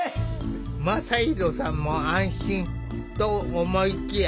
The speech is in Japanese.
真大さんも安心！と思いきや